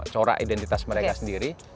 corak identitas mereka sendiri